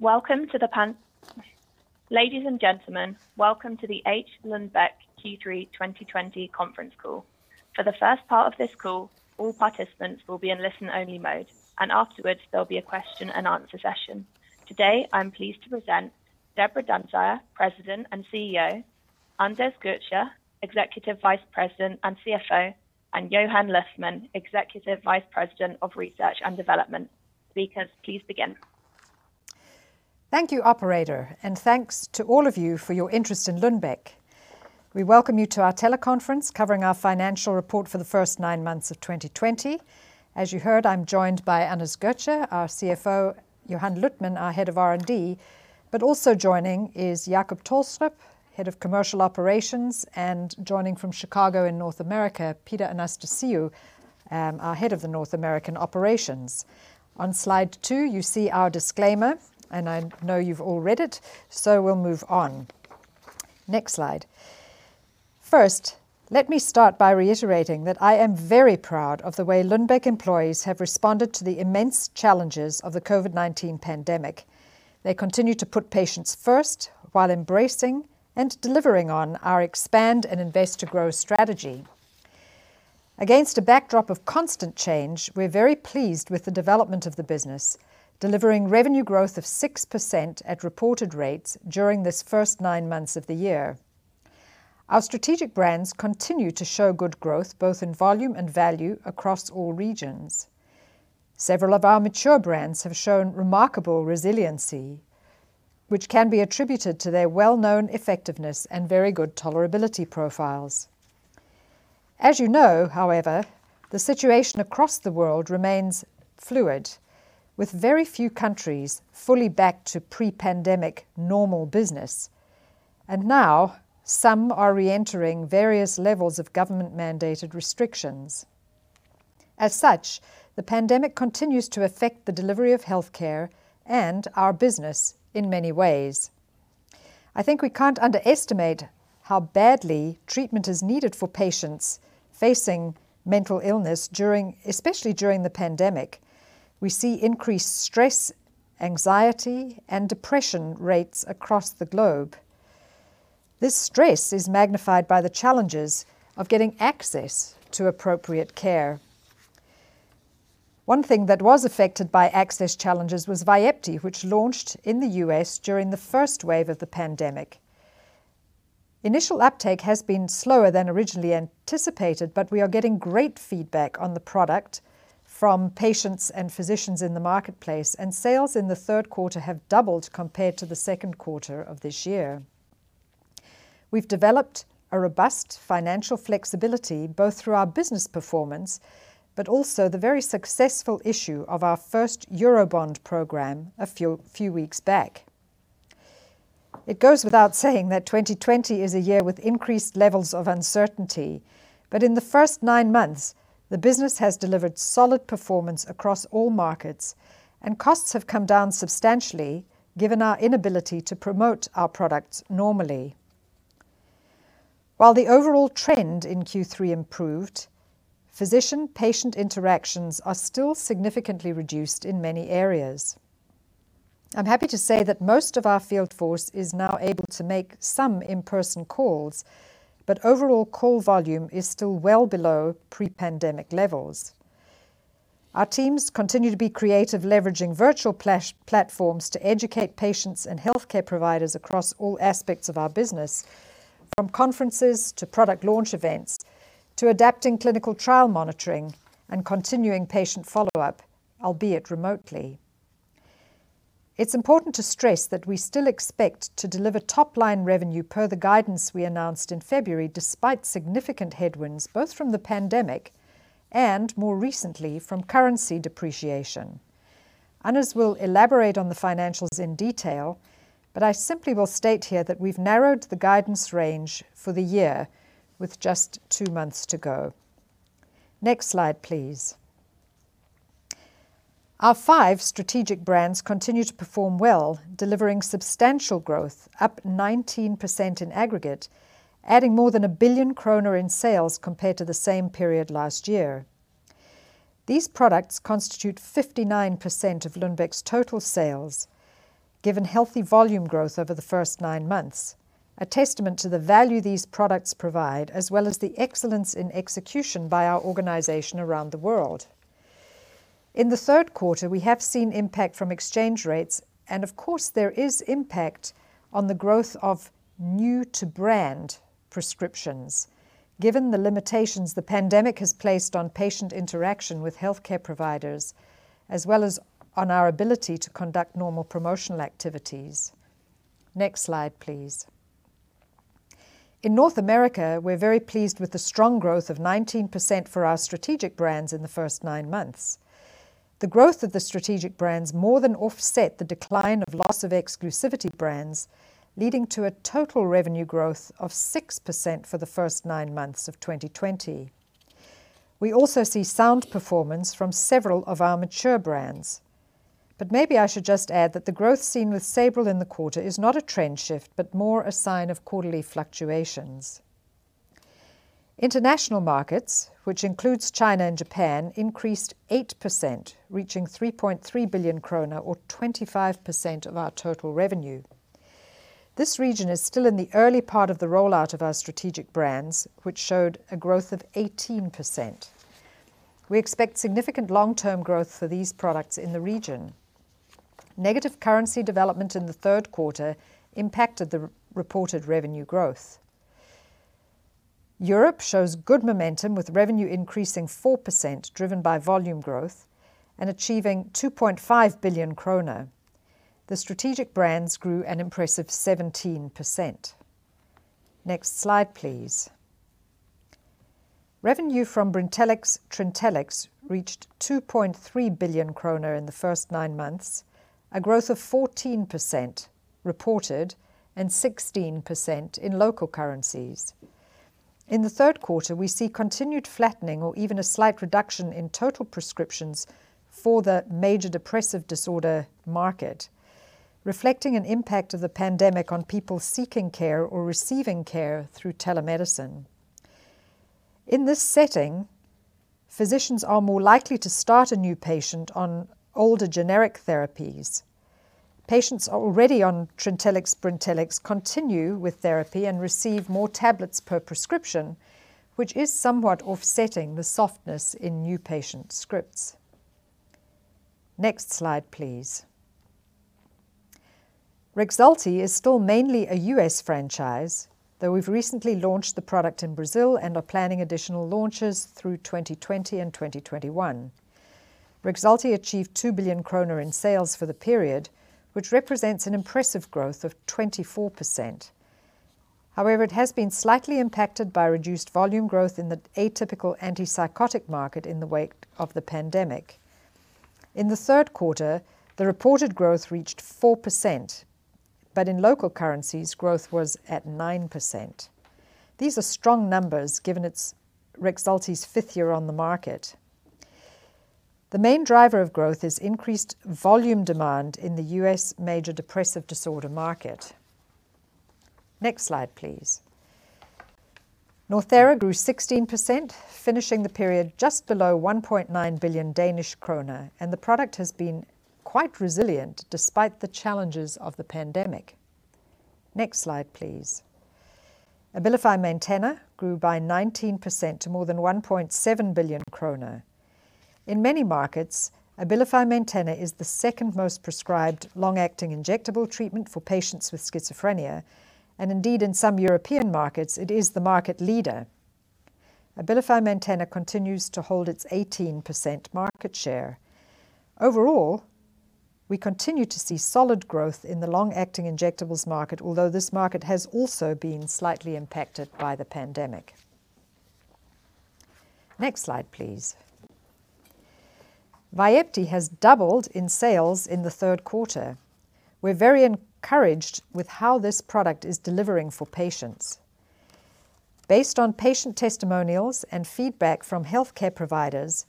Ladies and gentlemen, welcome to the H. Lundbeck Q3 2020 Conference Call. For the first part of this call, all participants will be in listen-only mode, and afterwards there'll be a question and answer session. Today, I'm pleased to present Deborah Dunsire, President and CEO, Anders Götzsche, Executive Vice President and CFO, and Johan Luthman, Executive Vice President of Research and Development. Speakers, please begin. Thank you, operator, and thanks to all of you for your interest in Lundbeck. We welcome you to our teleconference covering our financial report for the first nine months of 2020. As you heard, I'm joined by Anders Götzsche, our CFO, Johan Luthman, our Head of R&D, but also joining is Jacob Tolstrup, Head of Commercial Operations, and joining from Chicago in North America, Peter Anastasiou, our Head of the North American Operations. On slide two, you see our disclaimer, and I know you've all read it, so we'll move on. Next slide. First, let me start by reiterating that I am very proud of the way Lundbeck employees have responded to the immense challenges of the COVID-19 pandemic. They continue to put patients first while embracing and delivering on our Expand and Invest to Grow strategy. Against a backdrop of constant change, we're very pleased with the development of the business, delivering revenue growth of 6% at reported rates during this first nine months of the year. Our strategic brands continue to show good growth, both in volume and value across all regions. Several of our mature brands have shown remarkable resiliency, which can be attributed to their well-known effectiveness and very good tolerability profiles. As you know, the situation across the world remains fluid, with very few countries fully back to pre-pandemic normal business, and now some are re-entering various levels of government-mandated restrictions. The pandemic continues to affect the delivery of healthcare and our business in many ways. I think we can't underestimate how badly treatment is needed for patients facing mental illness especially during the pandemic. We see increased stress, anxiety, and depression rates across the globe. This stress is magnified by the challenges of getting access to appropriate care. One thing that was affected by access challenges was VYEPTI, which launched in the U.S. during the first wave of the pandemic. Initial uptake has been slower than originally anticipated. We are getting great feedback on the product from patients and physicians in the marketplace. Sales in the third quarter have doubled compared to the second quarter of this year. We've developed a robust financial flexibility, both through our business performance, but also the very successful issue of our first Eurobond program a few weeks back. It goes without saying that 2020 is a year with increased levels of uncertainty. In the first nine months, the business has delivered solid performance across all markets. Costs have come down substantially given our inability to promote our products normally. While the overall trend in Q3 improved, physician-patient interactions are still significantly reduced in many areas. I'm happy to say that most of our field force is now able to make some in-person calls, overall call volume is still well below pre-pandemic levels. Our teams continue to be creative, leveraging virtual platforms to educate patients and healthcare providers across all aspects of our business, from conferences to product launch events, to adapting clinical trial monitoring and continuing patient follow-up, albeit remotely. It's important to stress that we still expect to deliver top-line revenue per the guidance we announced in February despite significant headwinds, both from the pandemic and, more recently, from currency depreciation. Anders will elaborate on the financials in detail, I simply will state here that we've narrowed the guidance range for the year with just two months to go. Next slide, please. Our five strategic brands continue to perform well, delivering substantial growth, up 19% in aggregate, adding more than 1 billion kroner in sales compared to the same period last year. These products constitute 59% of Lundbeck's total sales given healthy volume growth over the first nine months, a testament to the value these products provide, as well as the excellence in execution by our organization around the world. In the third quarter, we have seen impact from exchange rates, and of course there is impact on the growth of new-to-brand prescriptions given the limitations the pandemic has placed on patient interaction with healthcare providers, as well as on our ability to conduct normal promotional activities. Next slide, please. In North America, we're very pleased with the strong growth of 19% for our strategic brands in the first nine months. The growth of the strategic brands more than offset the decline of loss of exclusivity brands, leading to a total revenue growth of 6% for the first nine months of 2020. We also see sound performance from several of our mature brands. Maybe I should just add that the growth seen with SABRIL in the quarter is not a trend shift, but more a sign of quarterly fluctuations. International markets, which includes China and Japan, increased 8%, reaching 3.3 billion krone or 25% of our total revenue. This region is still in the early part of the rollout of our strategic brands, which showed a growth of 18%. We expect significant long-term growth for these products in the region. Negative currency development in the third quarter impacted the reported revenue growth. Europe shows good momentum with revenue increasing 4% driven by volume growth and achieving 2.5 billion krone. The strategic brands grew an impressive 17%. Next slide, please. Revenue from Brintellix/Trintellix reached 2.3 billion kroner in the first nine months, a growth of 14% reported and 16% in local currencies. In the third quarter, we see continued flattening or even a slight reduction in total prescriptions for the major depressive disorder market, reflecting an impact of the pandemic on people seeking care or receiving care through telemedicine. In this setting, physicians are more likely to start a new patient on older generic therapies. Patients already on Trintellix/Brintellix continue with therapy and receive more tablets per prescription, which is somewhat offsetting the softness in new patient scripts. Next slide, please. Rexulti is still mainly a U.S. Franchise, though we've recently launched the product in Brazil and are planning additional launches through 2020 and 2021. Rexulti achieved 2 billion kroner in sales for the period, which represents an impressive growth of 24%. It has been slightly impacted by reduced volume growth in the atypical antipsychotic market in the wake of the pandemic. In the third quarter, the reported growth reached 4%, but in local currencies, growth was at 9%. These are strong numbers given its Rexulti's fifth year on the market. The main driver of growth is increased volume demand in the U.S. major depressive disorder market. Next slide, please. Northera grew 16%, finishing the period just below 1.9 billion Danish kroner, and the product has been quite resilient despite the challenges of the pandemic. Next slide, please. Abilify Maintena grew by 19% to more than 1.7 billion kroner. In many markets, Abilify Maintena is the second most prescribed long-acting injectable treatment for patients with schizophrenia, and indeed in some European markets it is the market leader. Abilify Maintena continues to hold its 18% market share. Overall, we continue to see solid growth in the long-acting injectables market, although this market has also been slightly impacted by the pandemic. Next slide, please. VYEPTI has doubled in sales in the third quarter. We're very encouraged with how this product is delivering for patients. Based on patient testimonials and feedback from healthcare providers,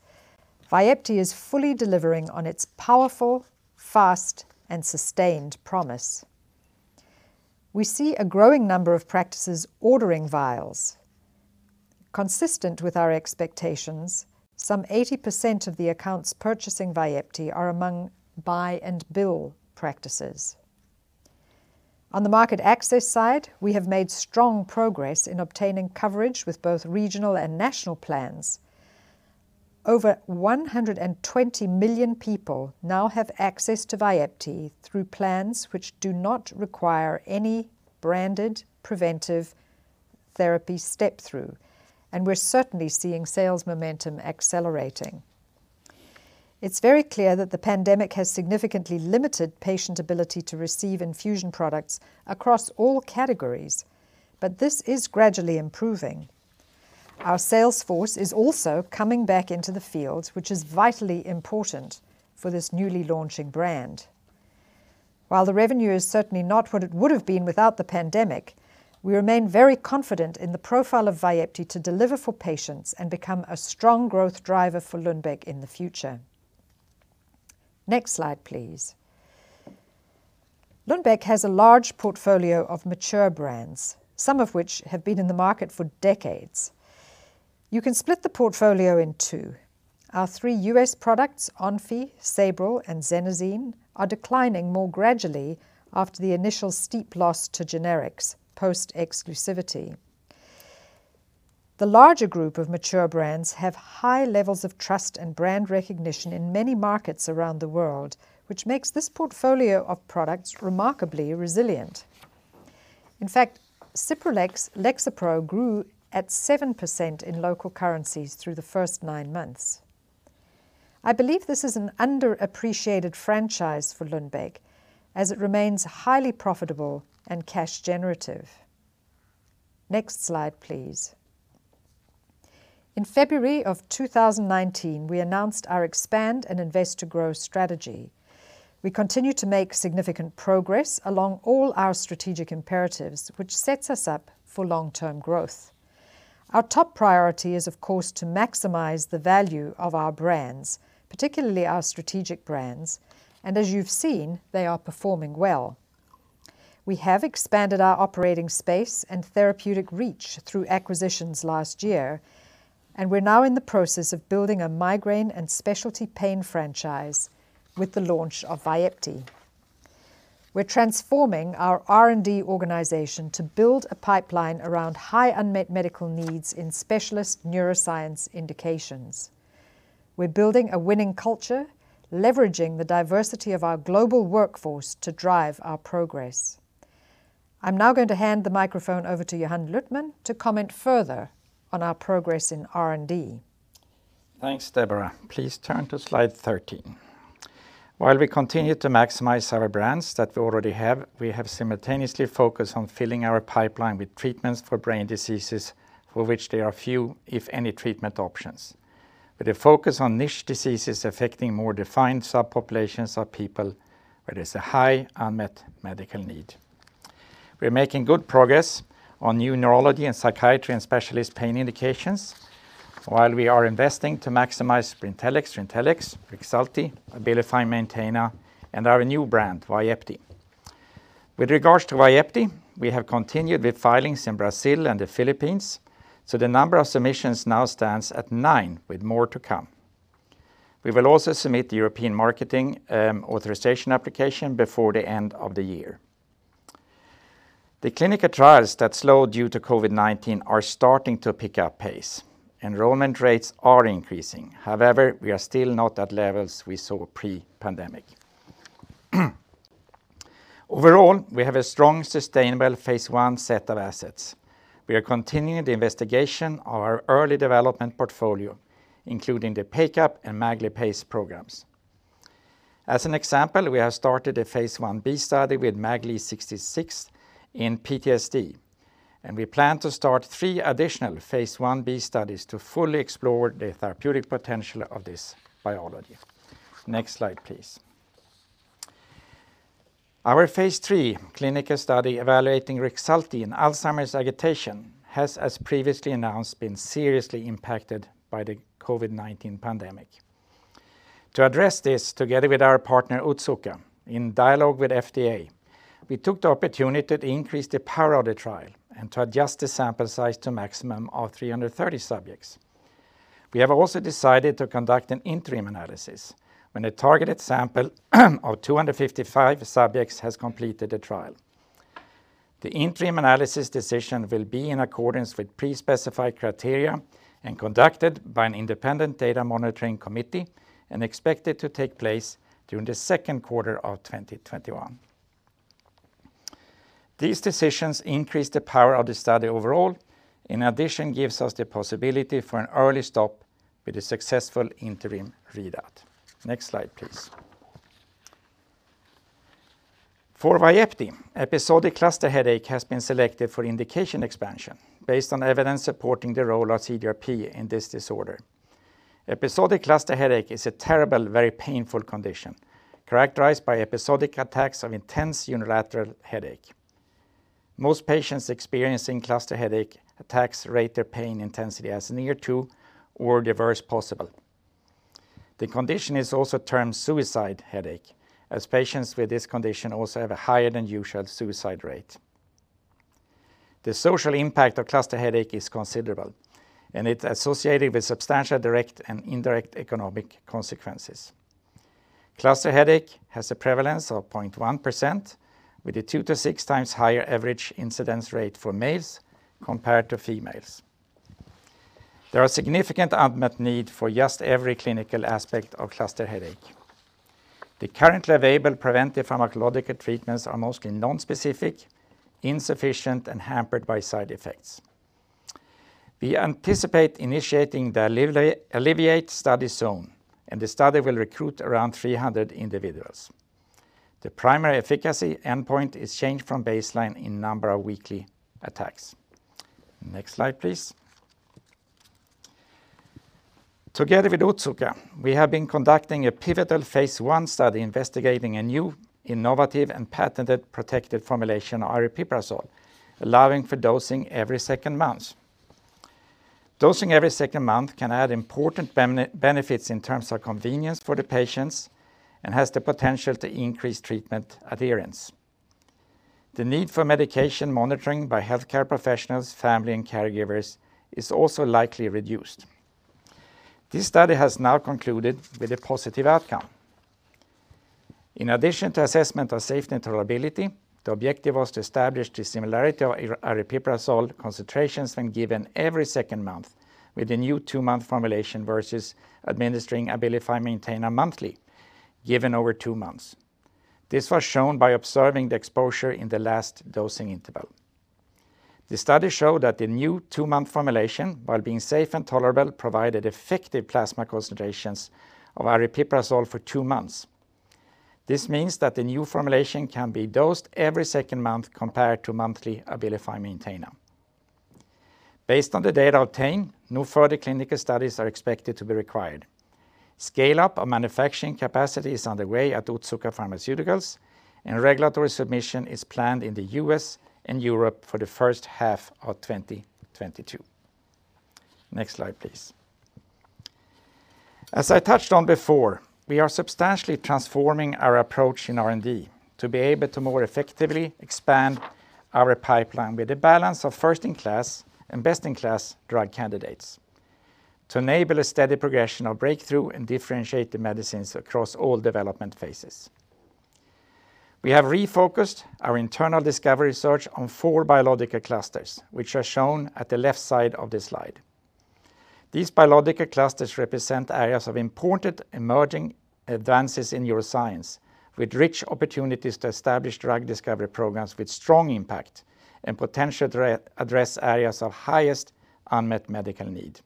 VYEPTI is fully delivering on its powerful, fast and sustained promise. We see a growing number of practices ordering vials. Consistent with our expectations, some 80% of the accounts purchasing VYEPTI are among buy-and-bill practices. On the market access side, we have made strong progress in obtaining coverage with both regional and national plans. Over 120 million people now have access to VYEPTI through plans which do not require any branded preventive therapy step-through, and we're certainly seeing sales momentum accelerating. It's very clear that the pandemic has significantly limited patient ability to receive infusion products across all categories, but this is gradually improving. Our sales force is also coming back into the field, which is vitally important for this newly launching brand. While the revenue is certainly not what it would have been without the pandemic, we remain very confident in the profile of VYEPTI to deliver for patients and become a strong growth driver for Lundbeck in the future. Next slide, please. Lundbeck has a large portfolio of mature brands, some of which have been in the market for decades. You can split the portfolio in two. Our three U.S. products, Onfi, SABRIL, and XENAZINE, are declining more gradually after the initial steep loss to generics post exclusivity. The larger group of mature brands have high levels of trust and brand recognition in many markets around the world, which makes this portfolio of products remarkably resilient. In fact, Cipralex/Lexapro grew at 7% in local currencies through the first nine months. I believe this is an underappreciated franchise for Lundbeck as it remains highly profitable and cash generative. Next slide, please. In February of 2019, we announced our expand and invest to grow strategy. We continue to make significant progress along all our strategic imperatives, which sets us up for long-term growth. Our top priority is, of course, to maximize the value of our brands, particularly our strategic brands, and as you've seen, they are performing well. We have expanded our operating space and therapeutic reach through acquisitions last year, and we're now in the process of building a migraine and specialty pain franchise with the launch of VYEPTI. We're transforming our R&D organization to build a pipeline around high unmet medical needs in specialist neuroscience indications. We're building a winning culture, leveraging the diversity of our global workforce to drive our progress. I'm now going to hand the microphone over to Johan Luthman to comment further on our progress in R&D. Thanks, Deborah. Please turn to slide 13. We continue to maximize our brands that we already have, we have simultaneously focused on filling our pipeline with treatments for brain diseases for which there are few, if any, treatment options. A focus on niche diseases affecting more defined subpopulations of people where there's a high unmet medical need. We're making good progress on new neurology and psychiatry and specialist pain indications while we are investing to maximize Brintellix, Trintellix, Rexulti, Abilify Maintena, and our new brand, VYEPTI. Regards to VYEPTI, we have continued with filings in Brazil and the Philippines, so the number of submissions now stands at nine with more to come. We will also submit the European Marketing Authorization Application before the end of the year. The clinical trials that slowed due to COVID-19 are starting to pick up pace. Enrollment rates are increasing. However, we are still not at levels we saw pre-pandemic. Overall, we have a strong, sustainable phase I set of assets. We are continuing the investigation of our early development portfolio, including the PACAP and MAG lipase programs. As an example, we have started a phase I-B study with MAGL-66 in PTSD, and we plan to start three additional phase I-B studies to fully explore the therapeutic potential of this biology. Next slide, please. Our phase III clinical study evaluating Rexulti in Alzheimer's agitation has, as previously announced, been seriously impacted by the COVID-19 pandemic. To address this, together with our partner, Otsuka, in dialogue with FDA, we took the opportunity to increase the power of the trial and to adjust the sample size to a maximum of 330 subjects. We have also decided to conduct an interim analysis when a targeted sample of 255 subjects has completed the trial. The interim analysis decision will be in accordance with pre-specified criteria and conducted by an independent data monitoring committee and expected to take place during the second quarter of 2021. These decisions increase the power of the study overall. In addition, gives us the possibility for an early stop with a successful interim readout. Next slide please. For VYEPTI, episodic cluster headache has been selected for indication expansion based on evidence supporting the role of CGRP in this disorder. Episodic cluster headache is a terrible, very painful condition characterized by episodic attacks of intense unilateral headache. Most patients experiencing cluster headache attacks rate their pain intensity as near to or the worst possible. The condition is also termed suicide headache, as patients with this condition also have a higher than usual suicide rate. The social impact of cluster headache is considerable, and it's associated with substantial direct and indirect economic consequences. Cluster headache has a prevalence of 0.1% with a two-to-six times higher average incidence rate for males compared to females. There are significant unmet need for just every clinical aspect of cluster headache. The currently available preventive pharmacological treatments are mostly nonspecific, insufficient, and hampered by side effects. We anticipate initiating the ALLEVIATE study soon, and the study will recruit around 300 individuals. Next slide, please. Together with Otsuka, we have been conducting a pivotal phase I study investigating a new innovative and patented protected formulation of aripiprazole, allowing for dosing every second month. Dosing every second month can add important benefits in terms of convenience for the patients and has the potential to increase treatment adherence. The need for medication monitoring by healthcare professionals, family, and caregivers is also likely reduced. This study has now concluded with a positive outcome. In addition to assessment of safety and tolerability, the objective was to establish the similarity of aripiprazole concentrations when given every second month with the new two-month formulation versus administering Abilify Maintena monthly given over two months. This was shown by observing the exposure in the last dosing interval. The study showed that the new two-month formulation, while being safe and tolerable, provided effective plasma concentrations of aripiprazole for two months. This means that the new formulation can be dosed every second month compared to monthly Abilify Maintena. Based on the data obtained, no further clinical studies are expected to be required. Scale-up of manufacturing capacity is underway at Otsuka Pharmaceutical, Regulatory submission is planned in the U.S. and Europe for the H1 of 2022. Next slide, please. As I touched on before, we are substantially transforming our approach in R&D to be able to more effectively expand our pipeline with the balance of first-in-class and best-in-class drug candidates to enable a steady progression of breakthrough and differentiate the medicines across all development phases. We have refocused our internal discovery search on four biological clusters, which are shown at the left side of this slide. These biological clusters represent areas of important emerging advances in neuroscience with rich opportunities to establish drug discovery programs with strong impact and potential to readdress areas of highest unmet medical need.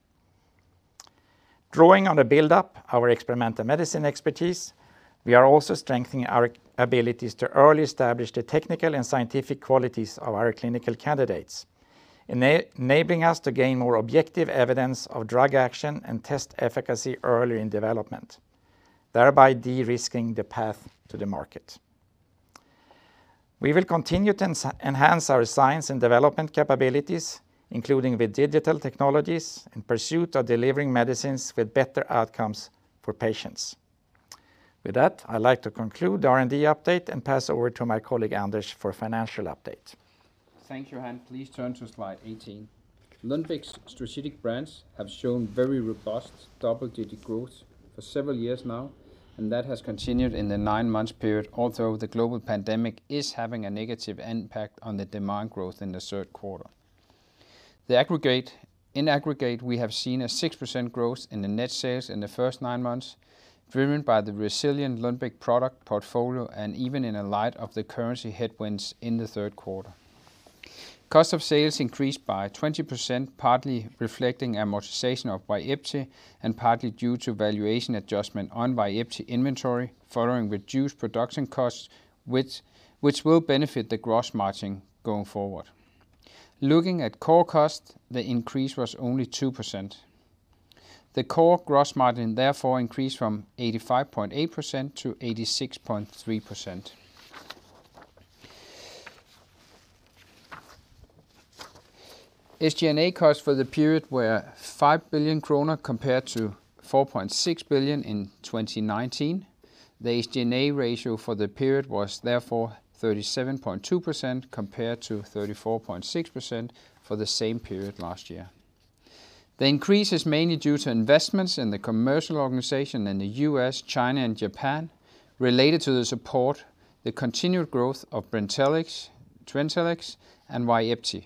Drawing on the build-up our experimental medicine expertise, we are also strengthening our abilities to early establish the technical and scientific qualities of our clinical candidates enabling us to gain more objective evidence of drug action and test efficacy early in development, thereby de-risking the path to the market. We will continue to enhance our science and development capabilities, including with digital technologies in pursuit of delivering medicines with better outcomes for patients. With that, I'd like to conclude the R&D update and pass over to my colleague, Anders, for financial update. Thanks, Johan. Please turn to Slide 18. Lundbeck's strategic brands have shown very robust double-digit growth for several years now, and that has continued in the nine-month period, although the global pandemic is having a negative impact on the demand growth in the third quarter. In aggregate, we have seen a 6% growth in the net sales in the first nine months driven by the resilient Lundbeck product portfolio and even in light of the currency headwinds in the third quarter. Cost of sales increased by 20%, partly reflecting amortization of VYEPTI and partly due to valuation adjustment on VYEPTI inventory following reduced production costs which will benefit the gross margin going forward. Looking at core costs, the increase was only 2%. The core gross margin therefore increased from 85.8% to 86.3%. SG&A costs for the period were 5 billion kroner compared to 4.6 billion in 2019. The SG&A ratio for the period was therefore 37.2% compared to 34.6% for the same period last year. The increase is mainly due to investments in the commercial organization in the U.S., China, and Japan related to the support, the continued growth of Brintellix, Trintellix, and VYEPTI.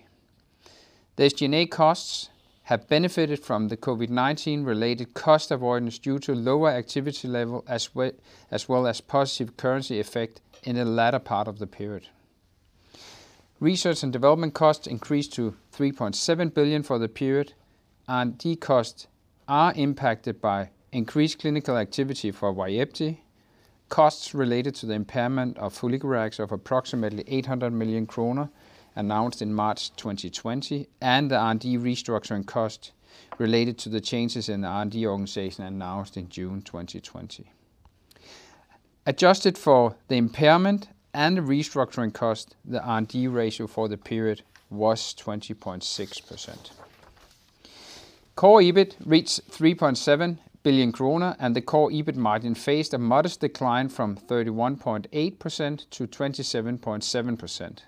The SG&A costs have benefited from the COVID-19 related cost avoidance due to lower activity level as well as positive currency effect in the latter part of the period. Research and development costs increased to 3.7 billion for the period. R&D costs are impacted by increased clinical activity for VYEPTI, costs related to the impairment of foliglurax of approximately 800 million kroner announced in March 2020, and the R&D restructuring cost related to the changes in the R&D organization announced in June 2020. Adjusted for the impairment and the restructuring cost, the R&D ratio for the period was 20.6%. Core EBIT reached 3.7 billion kroner, the core EBIT margin faced a modest decline from 31.8% to 27.7%.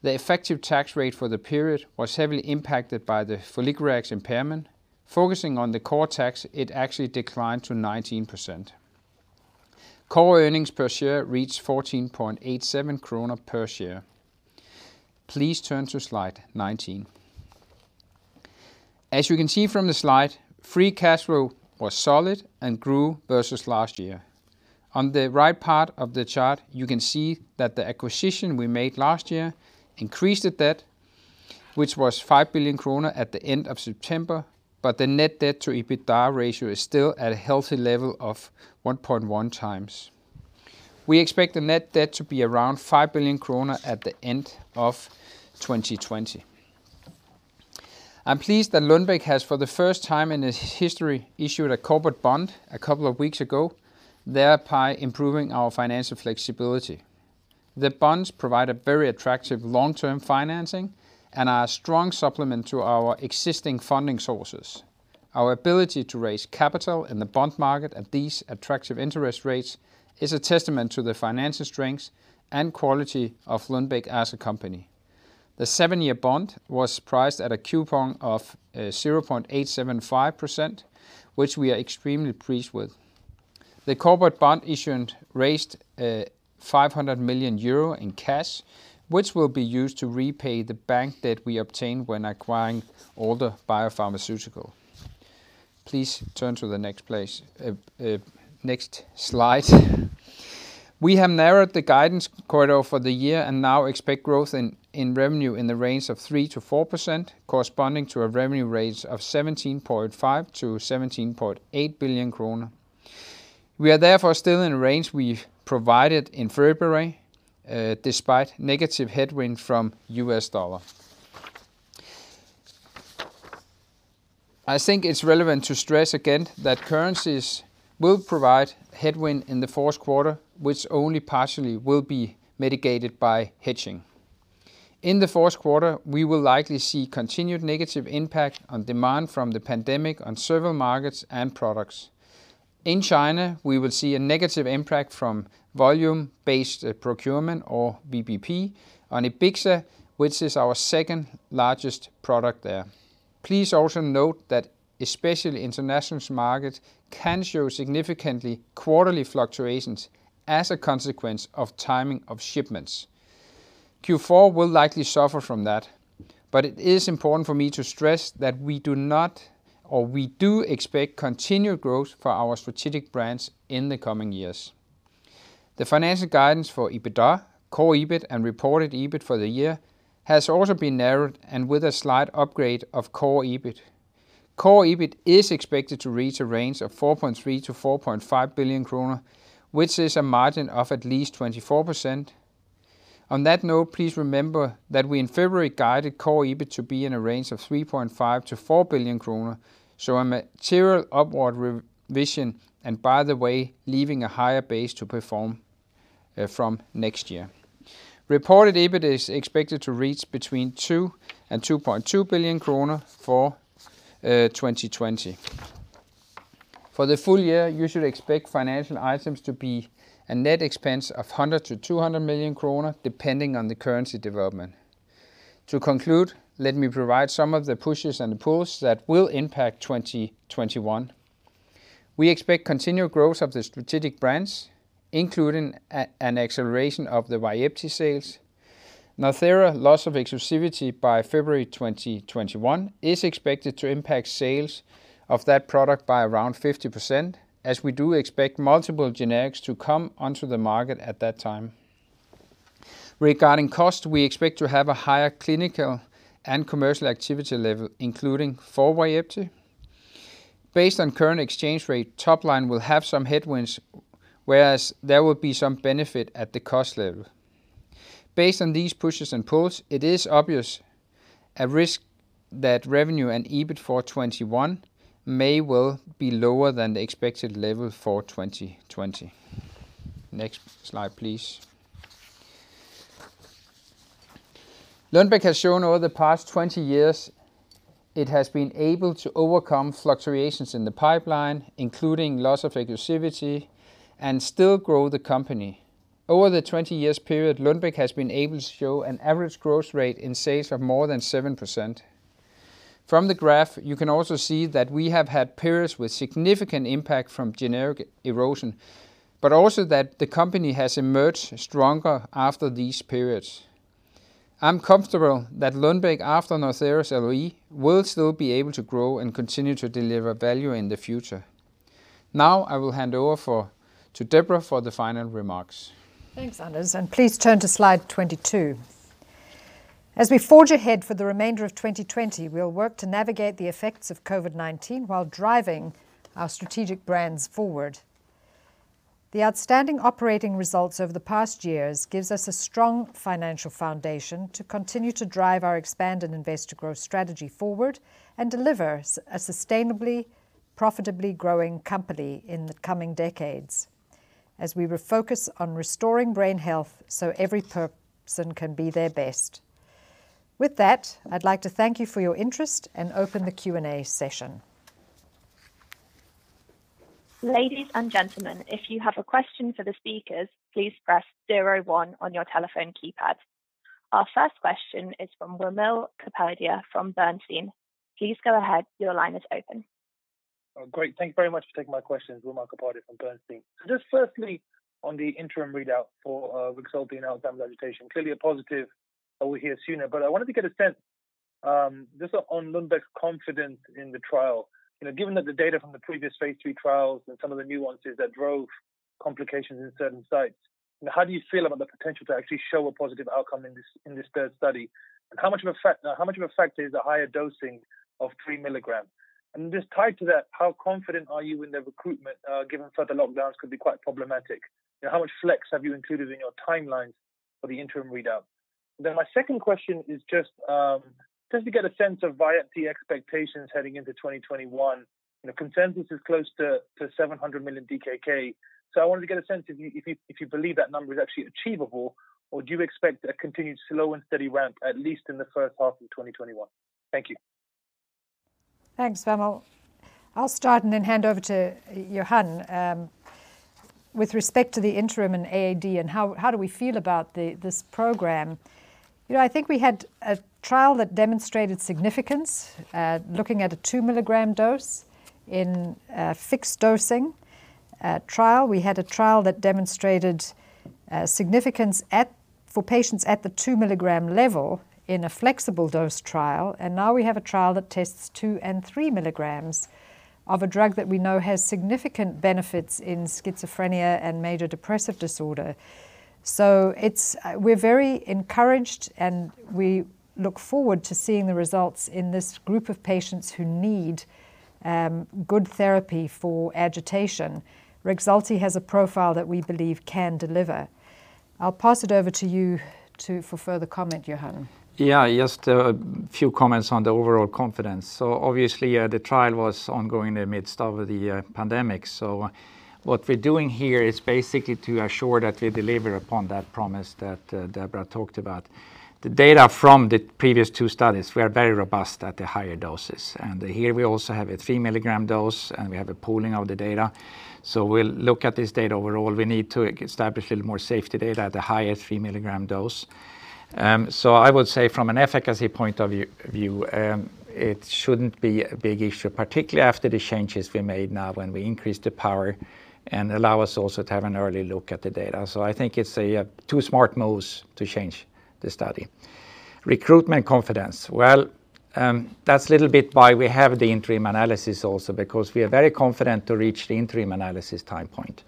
The effective tax rate for the period was heavily impacted by the foliglurax impairment. Focusing on the core tax, it actually declined to 19%. Core earnings per share reached 14.87 kroner per share. Please turn to Slide 19. As you can see from the slide, free cash flow was solid and grew versus last year. On the right part of the chart, you can see that the acquisition we made last year increased the debt, which was 5 billion kroner at the end of September, but the net debt to EBITDA ratio is still at a healthy level of 1.1x. We expect the net debt to be around 5 billion kroner at the end of 2020. I'm pleased that Lundbeck has, for the first time in its history, issued a corporate bond a couple of weeks ago, thereby improving our financial flexibility. The bonds provide a very attractive long-term financing and are a strong supplement to our existing funding sources. Our ability to raise capital in the bond market at these attractive interest rates is a testament to the financial strength and quality of Lundbeck as a company. The seven-year bond was priced at a coupon of 0.875%, which we are extremely pleased with. The corporate bond issued raised 500 million euro in cash, which will be used to repay the bank debt we obtained when acquiring Alder BioPharmaceuticals. Please turn to the next place. Next slide. We have narrowed the guidance corridor for the year and now expect growth in revenue in the range of 3%-4%, corresponding to a revenue range of 17.5 billion-17.8 billion kroner. We are therefore still in range we've provided in February, despite negative headwind from U.S. dollar. I think it's relevant to stress again that currencies will provide headwind in the fourth quarter, which only partially will be mitigated by hedging. In the fourth quarter, we will likely see continued negative impact on demand from the pandemic on several markets and products. In China, we will see a negative impact from volume-based procurement, or VBP, on Ebixa, which is our second-largest product there. Please also note that especially international markets can show significant quarterly fluctuations as a consequence of timing of shipments. Q4 will likely suffer from that, but it is important for me to stress that we do expect continued growth for our strategic brands in the coming years. The financial guidance for EBITDA, core EBIT, and reported EBIT for the year has also been narrowed, and with a slight upgrade of core EBIT. Core EBIT is expected to reach a range of 4.3 billion-4.5 billion kroner, which is a margin of at least 24%. On that note, please remember that we in February guided core EBIT to be in a range of 3.5 billion-4 billion kroner, so a material upward re-revision and, by the way, leaving a higher base to perform from next year. Reported EBIT is expected to reach between 2 billion and 2.2 billion kroner for 2020. For the full year, you should expect financial items to be a net expense of 100 million-200 million kroner, depending on the currency development. To conclude, let me provide some of the pushes and pulls that will impact 2021. We expect continued growth of the strategic brands, including an acceleration of the VYEPTI sales. Northera loss of exclusivity by February 2021 is expected to impact sales of that product by around 50%, as we do expect multiple generics to come onto the market at that time. Regarding cost, we expect to have a higher clinical and commercial activity level, including for VYEPTI. Based on current exchange rate, top line will have some headwinds, whereas there will be some benefit at the cost level. Based on these pushes and pulls, it is obvious a risk that revenue and EBIT for 2021 may well be lower than the expected level for 2020. Next slide, please. Lundbeck has shown over the past 20 years it has been able to overcome fluctuations in the pipeline, including loss of exclusivity, and still grow the company. Over the 20 years period, Lundbeck has been able to show an average growth rate in sales of more than 7%. From the graph, you can also see that we have had periods with significant impact from generic erosion, but also that the company has emerged stronger after these periods. I'm comfortable that Lundbeck after Northera's LOE will still be able to grow and continue to deliver value in the future. Now I will hand over to Deborah for the final remarks. Thanks, Anders, and please turn to slide 22. As we forge ahead for the remainder of 2020, we will work to navigate the effects of COVID-19 while driving our strategic brands forward. The outstanding operating results over the past years gives us a strong financial foundation to continue to drive our expand and invest to grow strategy forward and deliver a sustainably, profitably growing company in the coming decades as we refocus on restoring brain health so every person can be their best. With that, I'd like to thank you for your interest and open the Q&A session. Ladies and gentlemen, if you have a question to the speaker, please press star one on your telephone keypad. Our first question is from Wimal Kapadia from Bernstein. Please go ahead. Your line is open. Great. Thank you very much for taking my questions. Wimal Kapadia from Bernstein. Just firstly on the interim readout for Rexulti in Alzheimer's agitation, clearly a positive that we'll hear sooner. I wanted to get a sense just on Lundbeck's confidence in the trial. You know, given that the data from the previous phase III trials and some of the nuances that drove complications in certain sites, how do you feel about the potential to actually show a positive outcome in this third study? How much of a factor is the higher dosing of 3 mg? Just tied to that, how confident are you in the recruitment given further lockdowns could be quite problematic? You know, how much flex have you included in your timelines for the interim readout? My second question is just to get a sense of VYEPTI expectations heading into 2021. You know, consensus is close to 700 million DKK. I wanted to get a sense if you believe that number is actually achievable, or do you expect a continued slow and steady ramp, at least in the first half of 2021? Thank you. Thanks, Wimal. I'll start and then hand over to Johan. With respect to the interim in AAD and how do we feel about this program, you know, I think we had a trial that demonstrated significance, looking at a 2 mg dose in a fixed dosing trial. We had a trial that demonstrated significance at, for patients at the 2 mg level in a flexible dose trial, and now we have a trial that tests 2 and 3 mgs of a drug that we know has significant benefits in schizophrenia and major depressive disorder. It's, we're very encouraged, and we look forward to seeing the results in this group of patients who need good therapy for agitation. Rexulti has a profile that we believe can deliver. I'll pass it over to you for further comment, Johan. Just a few comments on the overall confidence. Obviously, the trial was ongoing in the midst of the pandemic. What we're doing here is basically to assure that we deliver upon that promise that Deborah talked about. The data from the previous two studies were very robust at the higher doses, and here we also have a 3 mg dose, and we have a pooling of the data. We'll look at this data. Overall, we need to establish a little more safety data at the higher 3 mg dose. I would say from an efficacy point of view, it shouldn't be a big issue, particularly after the changes we made now when we increased the power and allow us also to have an early look at the data. I think it's two smart moves to change the study. Recruitment confidence. That's a little bit why we have the interim analysis also, because we are very confident to reach the interim analysis time point.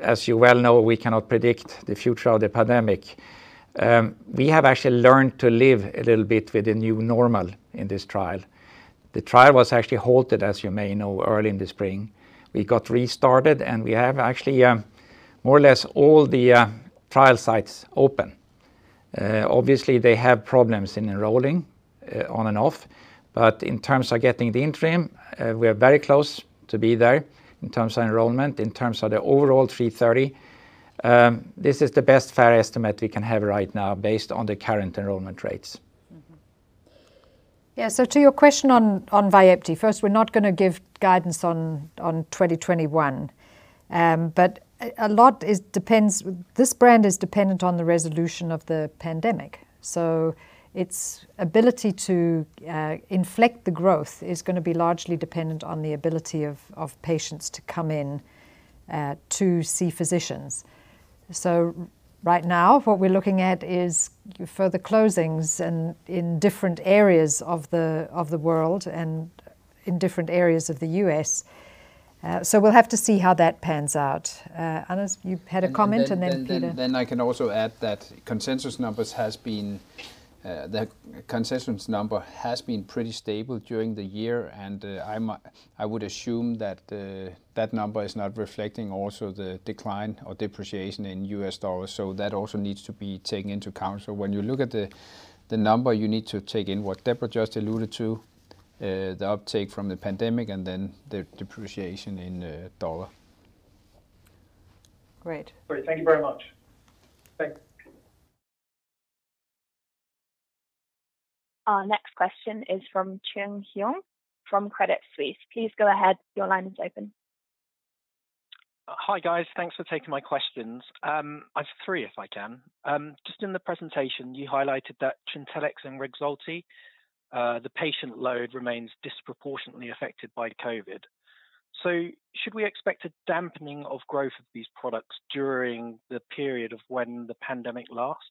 As you well know, we cannot predict the future of the pandemic. We have actually learned to live a little bit with the new normal in this trial. The trial was actually halted, as you may know, early in the spring. We got restarted, and we have actually more or less all the trial sites open. Obviously they have problems in enrolling on and off, but in terms of getting the interim, we are very close to be there in terms of enrollment, in terms of the overall 330. This is the best fair estimate we can have right now based on the current enrollment rates. Yeah, to your question on VYEPTI, first, we're not gonna give guidance on 2021. This brand is dependent on the resolution of the pandemic, its ability to inflect the growth is gonna be largely dependent on the ability of patients to come in to see physicians. Right now what we're looking at is further closings and in different areas of the world and in different areas of the U.S., we'll have to see how that pans out. Anders Götzsche, you had a comment, and then Peter- I can also add that the consensus number has been pretty stable during the year, and I would assume that that number is not reflecting also the decline or depreciation in U.S. dollars. That also needs to be taken into account. When you look at the number, you need to take in what Deborah just alluded to, the uptake from the pandemic and then the depreciation in U.S. dollar. Great Great. Thank you very much. Thanks. Our next question is from Trung Huynh from Credit Suisse. Please go ahead. Your line is open. Hi, guys. Thanks for taking my questions. I have three if I can. Just in the presentation you highlighted that Trintellix and Rexulti, the patient load remains disproportionately affected by COVID. Should we expect a dampening of growth of these products during the period of when the pandemic lasts,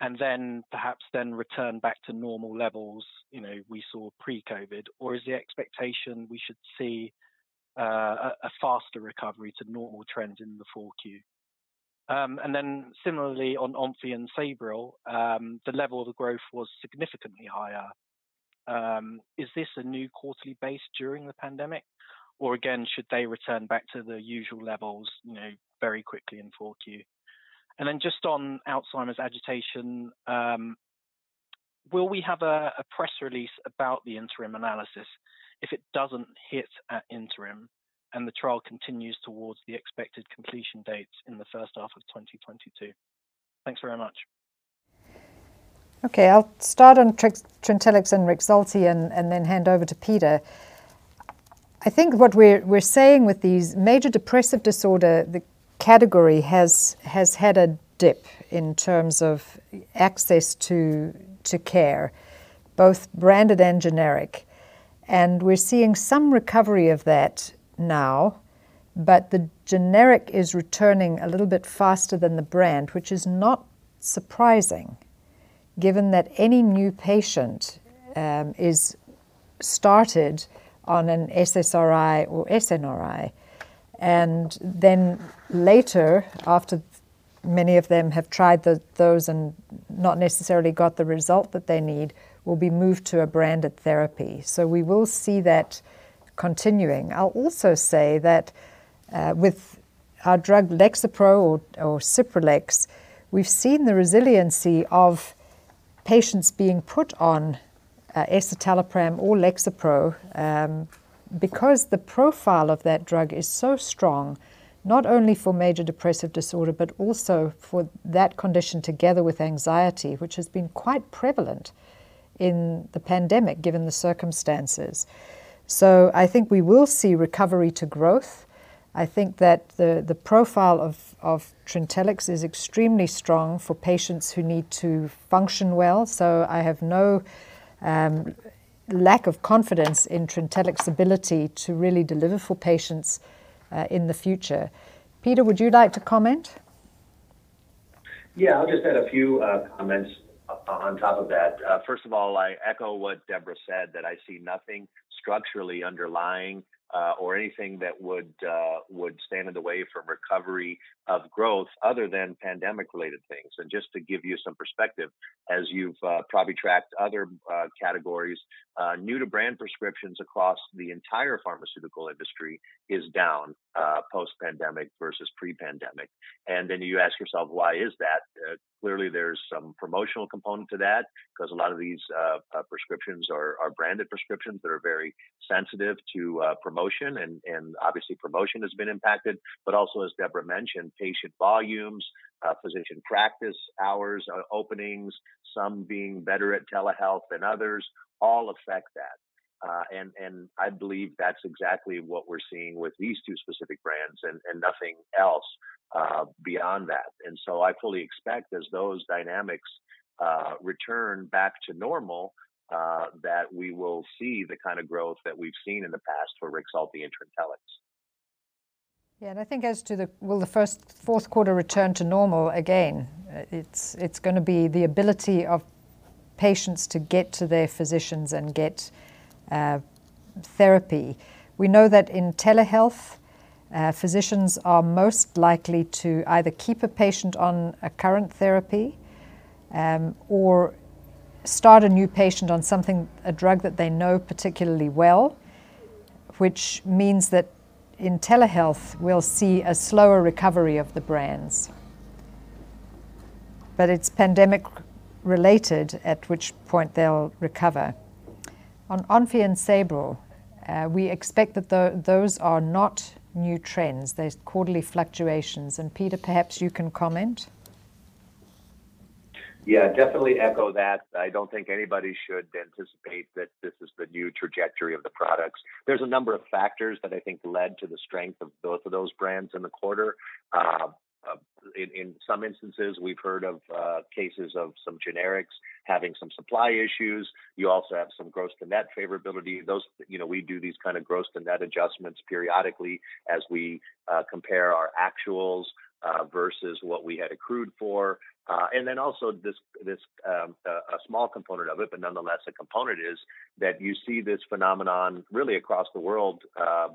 and then perhaps then return back to normal levels, you know, we saw pre-COVID, or is the expectation we should see a faster recovery to normal trends in 4Q? And then similarly on Onfi and SABRIL, the level of the growth was significantly higher. Is this a new quarterly base during the pandemic, or again, should they return back to the usual levels, you know, very quickly in 4Q? Just on Alzheimer's agitation, will we have a press release about the interim analysis if it doesn't hit at interim and the trial continues towards the expected completion dates in the first half of 2022? Thanks very much. Okay. I'll start on Trintellix and Rexulti and then hand over to Peter. I think what we're saying with these major depressive disorder, the category has had a dip in terms of access to care, both branded and generic. We're seeing some recovery of that now. The generic is returning a little bit faster than the brand, which is not surprising given that any new patient is started on an SSRI or SNRI. Later, after many of them have tried those and not necessarily got the result that they need, will be moved to a branded therapy. We will see that continuing. I will also say that with our drug Lexapro or Cipralex, we've seen the resiliency of patients being put on escitalopram or Lexapro, because the profile of that drug is so strong, not only for major depressive disorder but also for that condition together with anxiety, which has been quite prevalent in the pandemic given the circumstances. I think we will see recovery to growth. I think that the profile of Trintellix is extremely strong for patients who need to function well. I have no lack of confidence in Trintellix's ability to really deliver for patients in the future. Peter, would you like to comment? Yeah, I'll just add a few comments on top of that. First of all, I echo what Deborah said, that I see nothing structurally underlying or anything that would stand in the way from recovery of growth other than pandemic-related things. Just to give you some perspective, as you've probably tracked other categories, new-to-brand prescriptions across the entire pharmaceutical industry is down post-pandemic versus pre-pandemic. Then you ask yourself why is that? Clearly there's some promotional component to that, 'cause a lot of these prescriptions are branded prescriptions that are very sensitive to promotion and obviously promotion has been impacted. Also, as Deborah mentioned, patient volumes, physician practice hours, openings, some being better at telehealth than others, all affect that. I believe that is exactly what we are seeing with these two specific brands and nothing else, beyond that. I fully expect as those dynamics return back to normal, that we will see the kind of growth that we have seen in the past for Rexulti and Trintellix. I think as to the will the first fourth quarter return to normal, again, it's gonna be the ability of patients to get to their physicians and get therapy. We know that in telehealth, physicians are most likely to either keep a patient on a current therapy, or start a new patient on something, a drug that they know particularly well, which means that in telehealth we'll see a slower recovery of the brands. It's pandemic related, at which point they'll recover. On Onfi and SABRIL, we expect that those are not new trends. There's quarterly fluctuations, and Peter, perhaps you can comment. Yeah, definitely echo that. I don't think anybody should anticipate that this is the new trajectory of the products. There's a number of factors that I think led to the strength of both of those brands in the quarter. In some instances we've heard of cases of some generics having some supply issues. You also have some gross to net favorability. You know, we do these kind of gross to net adjustments periodically as we compare our actuals versus what we had accrued for. And then also this, a small component of it, but nonetheless a component is, that you see this phenomenon really across the world,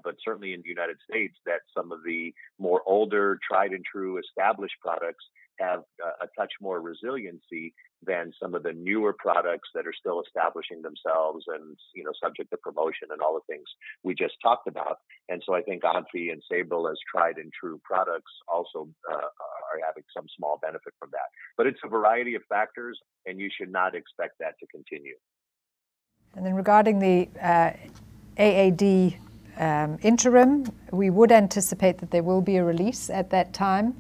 but certainly in the United States, that some of the more older tried and true established products have a touch more resiliency than some of the newer products that are still establishing themselves and, you know, subject to promotion and all the things we just talked about. I think Onfi and SABRIL as tried and true products also are having some small benefit from that. But it's a variety of factors, and you should not expect that to continue. Regarding the AAD interim, we would anticipate that there will be a release at that time.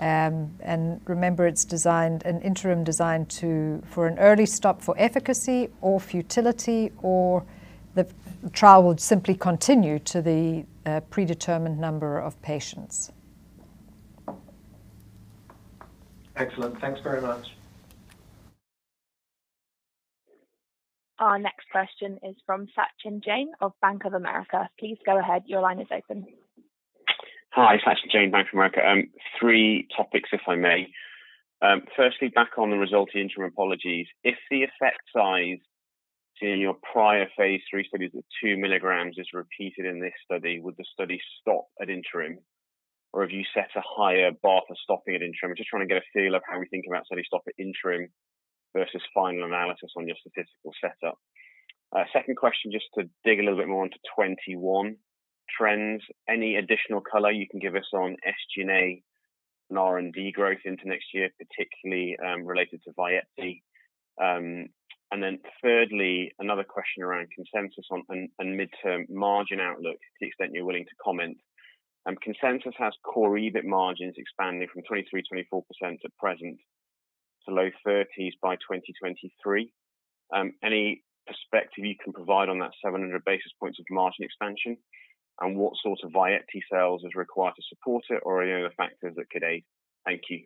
Remember an interim designed to for an early stop for efficacy or futility, or the trial would simply continue to the predetermined number of patients. Excellent. Thanks very much. Our next question is from Sachin Jain of Bank of America. Please go ahead. Your line is open. Hi, Sachin Jain, Bank of America. Three topics, if I may. Firstly, back on the Rexulti interim apologies. If the effect size to your prior phase III studies of 2 mg is repeated in this study, would the study stop at interim, or have you set a higher bar for stopping at interim? I'm just trying to get a feel of how we think about study stop at interim versus final analysis on your statistical setup. Second question just to dig a little bit more into 2021 trends. Any additional color you can give us on SG&A and R&D growth into next year, particularly related to VYEPTI? Thirdly, another question around consensus on and midterm margin outlook to the extent you're willing to comment. Consensus has core EBIT margins expanding from 3%-3.4% at present to low 30s by 2023. Any perspective you can provide on that 700 basis points of margin expansion, and what sort of VYEPTI sales is required to support it or any other factors that could aid? Thank you.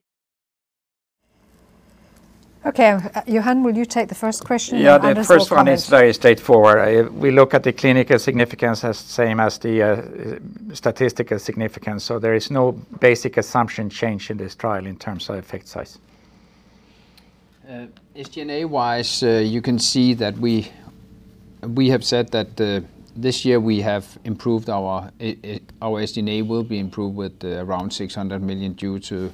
Okay. Johan, will you take the first question and Anders will comment? Yeah, the first one is very straightforward. We look at the clinical significance as same as the statistical significance. There is no basic assumption change in this trial in terms of effect size. SG&A-wise, you can see that we have said that, this year we have improved our SG&A will be improved with around 600 million due to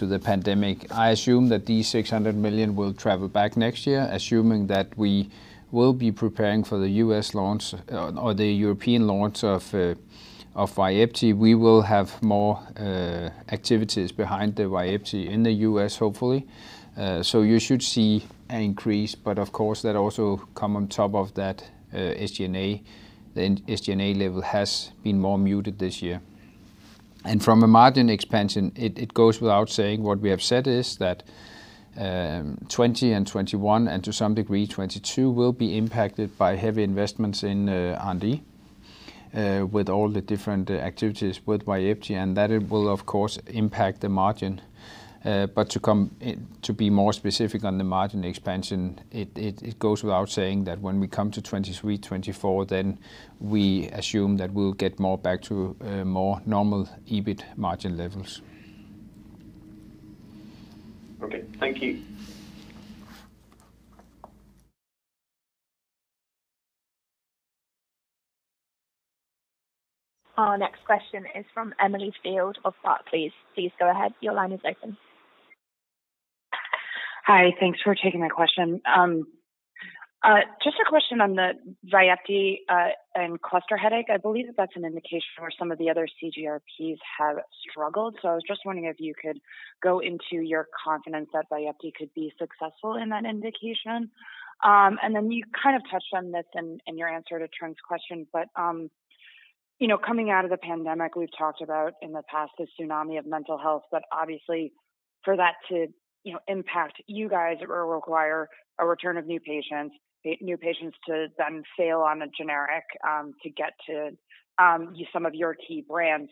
the pandemic. I assume that these 600 million will travel back next year, assuming that we will be preparing for the U.S. launch or the European launch of VYEPTI. We will have more activities behind the VYEPTI in the U.S. hopefully. You should see an increase, but of course that also come on top of that, SG&A. The SG&A level has been more muted this year. From a margin expansion, it goes without saying what we have said is that 2020 and 2021 and to some degree 2022 will be impacted by heavy investments in R&D, with all the different activities with VYEPTI, and that it will of course impact the margin. To come in to be more specific on the margin expansion, it goes without saying that when we come to 2023, 2024, then we assume that we'll get more back to more normal EBIT margin levels. Okay. Thank you. Our next question is from Emily Field of Barclays. Please go ahead. Your line is open. Hi. Thanks for taking my question. Just a question on the VYEPTI and cluster headache. I believe that that's an indication where some of the other CGRPs have struggled. I was just wondering if you could go into your confidence that VYEPTI could be successful in that indication. You kind of touched on this in your answer to Trung's question, but, you know, coming out of the pandemic, we've talked about in the past this tsunami of mental health. Obviously for that to, you know, impact you guys it will require a return of new patients, new patients to then fail on a generic to get to some of your key brands.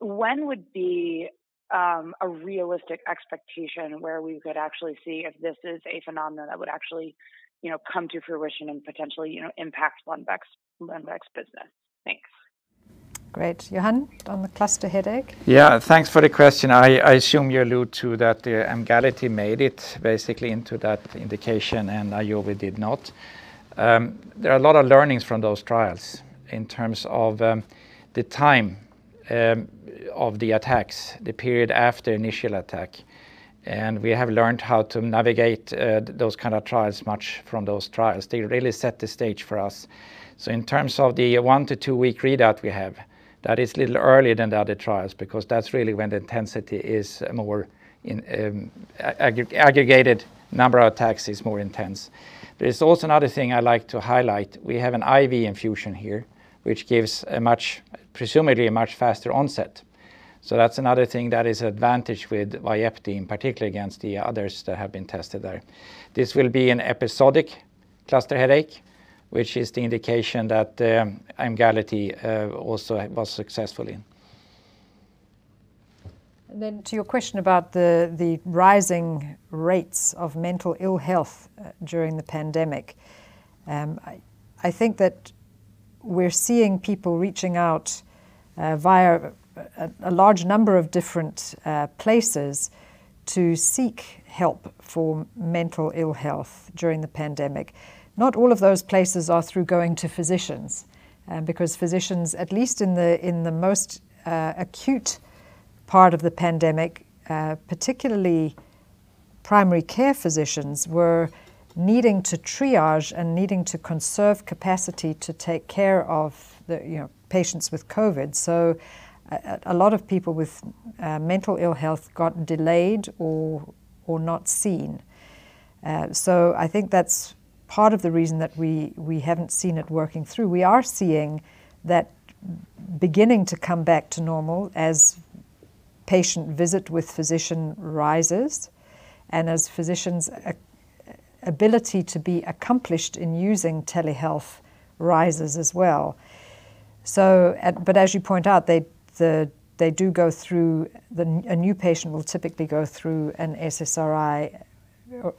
When would be a realistic expectation where we could actually see if this is a phenomenon that would actually, you know, come to fruition and potentially, you know, impact Lundbeck's business? Thanks. Great. Johan, on the cluster headache. Thanks for the question. I assume you allude to that Emgality made it basically into that indication and AJOVY did not. There are a lot of learnings from those trials in terms of the time of the attacks, the period after initial attack, and we have learned how to navigate those kind of trials much from those trials. They really set the stage for us. In terms of the 1-2 week readout we have, that is a little earlier than the other trials because that's really when the intensity is more in aggregated number of attacks is more intense. There's also another thing I like to highlight. We have an IV infusion here, which gives a much, presumably a much faster onset. That's another thing that is advantage with VYEPTI, in particular against the others that have been tested there. This will be an episodic Cluster Headache, which is the indication that Emgality also was successful in. To your question about the rising rates of mental ill health during the pandemic. I think that we're seeing people reaching out via a large number of different places to seek help for mental ill health during the pandemic. Not all of those places are through going to physicians, because physicians, at least in the most acute part of the pandemic, particularly primary care physicians, were needing to triage and needing to conserve capacity to take care of the, you know, patients with COVID. A lot of people with mental ill health got delayed or not seen. I think that's part of the reason that we haven't seen it working through. We are seeing that beginning to come back to normal as patient visit with physician rises and as physicians ability to be accomplished in using telehealth rises as well. As you point out, a new patient will typically go through an SSRI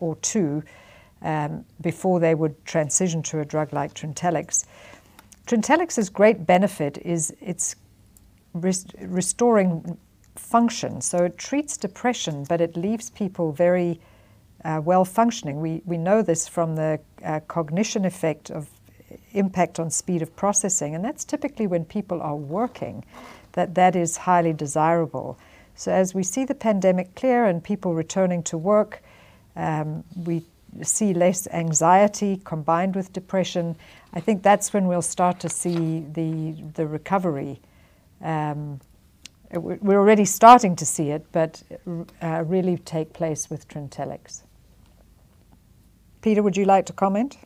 or two before they would transition to a drug like Trintellix. Trintellix's great benefit is it's restoring function. It treats depression, but it leaves people very well-functioning. We know this from the cognition effect of impact on speed of processing, and that's typically when people are working that is highly desirable. As we see the pandemic clear and people returning to work, we see less anxiety combined with depression. I think that's when we'll start to see the recovery. We're already starting to see it, but really take place with Trintellix. Peter, would you like to comment?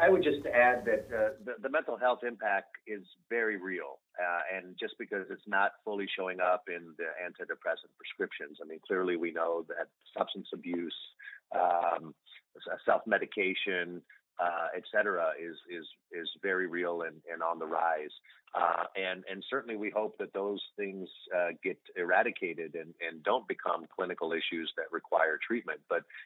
I would just add that the mental health impact is very real. Just because it's not fully showing up in the antidepressant prescriptions, I mean, clearly we know that substance abuse, self-medication, et cetera, is very real and on the rise. Certainly we hope that those things get eradicated and don't become clinical issues that require treatment.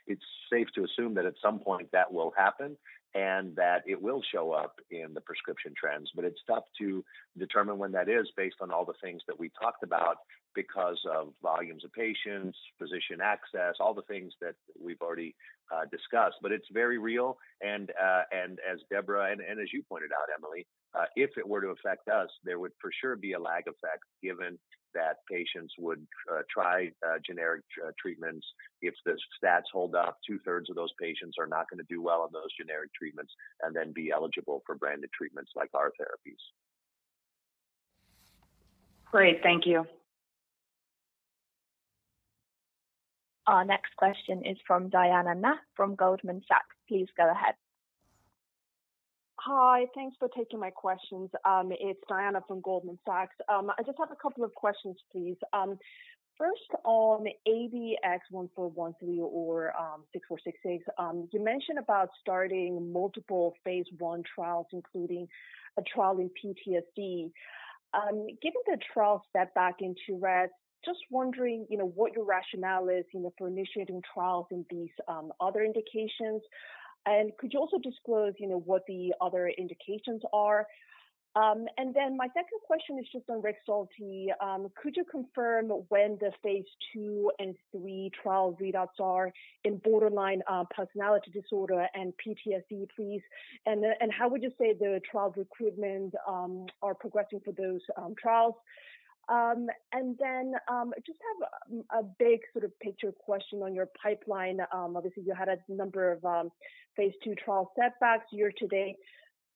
It's safe to assume that at some point that will happen, and that it will show up in the prescription trends. It's tough to determine when that is based on all the things that we talked about because of volumes of patients, physician access, all the things that we've already discussed. But it's very real, and as Deborah and as you pointed out, Emily, if it were to affect us, there would for sure be a lag effect given that patients would try generic treatments. If the stats hold up, two-thirds of those patients are not gonna do well on those generic treatments and then be eligible for branded treatments like our therapies. Great. Thank you. Our next question is from Diana Na from Goldman Sachs. Please go ahead. Hi. Thanks for taking my questions. It's Diana from Goldman Sachs. I just have a couple of questions, please. First on ABX-1431 or Lu AG06466, you mentioned about starting multiple phase I trials, including a trial in PTSD. Given the trial set back in Tourette, just wondering, you know, what your rationale is, you know, for initiating trials in these other indications, and could you also disclose, you know, what the other indications are? My second question is just on Rexulti. Could you confirm when the phase II and III trial readouts are in borderline personality disorder and PTSD, please? How would you say the trial recruitment are progressing for those trials? Just have a big sort of picture question on your pipeline. Obviously you had a number of phase II trial setbacks year to date.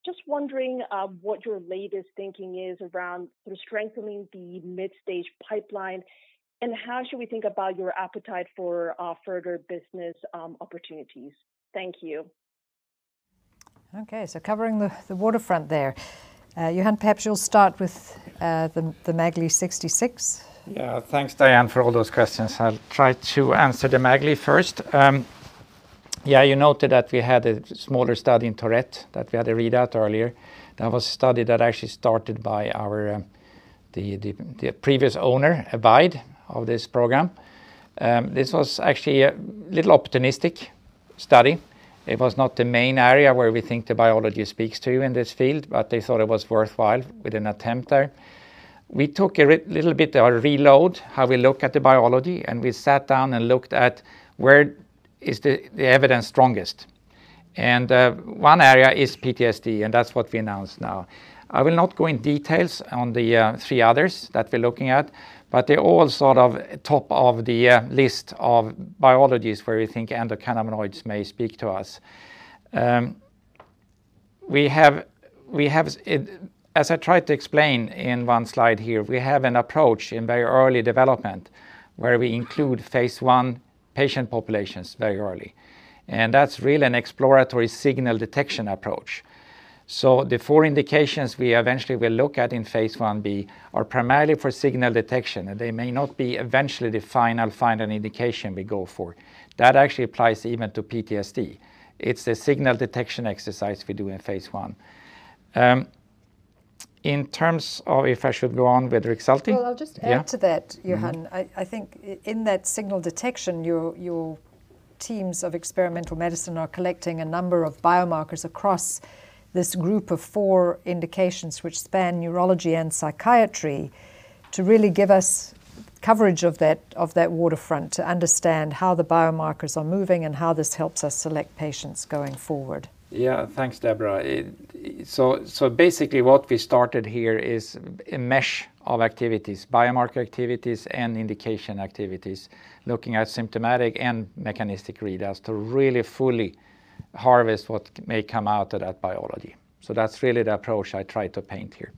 Just wondering, what your latest thinking is around sort of strengthening the mid-stage pipeline, and how should we think about your appetite for further business opportunities. Thank you. Okay. Covering the waterfront there. Johan, perhaps you'll start with the MAGL-66. Yeah. Thanks, Diana, for all those questions. I'll try to answer the MAGL first. Yeah, you noted that we had a smaller study in Tourette that we had a readout earlier. That was a study that actually started by our, the previous owner, Abide, of this program. This was actually a little optimistic study. It was not the main area where we think the biology speaks to in this field, but they thought it was worthwhile with an attempt there. We took a little bit of a reload how we look at the biology, and we sat down and looked at where is the evidence strongest. One area is PTSD, and that's what we announced now. I will not go in details on the three others that we're looking at. They're all sort of top of the list of biologies where we think endocannabinoids may speak to us. We have it. As I tried to explain in 1 slide here, we have an approach in very early development where we include phase I patient populations very early. That's really an exploratory signal detection approach. The four indications we eventually will look at in phase I-B are primarily for signal detection. They may not be eventually the final indication we go for. That actually applies even to PTSD. It's a signal detection exercise we do in phase I. In terms of if I should go on with Rexulti. Well, I'll just add- Yeah. I think in that signal detection, your teams of experimental medicine are collecting a number of biomarkers across this group of four indications which span neurology and psychiatry to really give us coverage of that waterfront to understand how the biomarkers are moving and how this helps us select patients going forward. Thanks, Deborah. Basically, what we started here is a mesh of activities, biomarker activities and indication activities, looking at symptomatic and mechanistic readouts to really fully harvest what may come out of that biology. That's really the approach I tried to paint here.